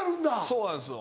そうなんですよ。